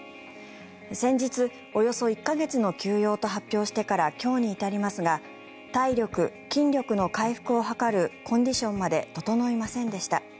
先日、およそ１か月の休養と発表してから今日に至りますが体力、筋力の回復を図るコンディションまで整いませんでした。